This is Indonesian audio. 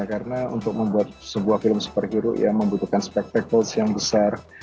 karena untuk membuat sebuah film superhero ya membutuhkan spektakles yang besar